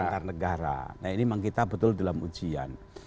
antar negara nah ini memang kita betul dalam ujian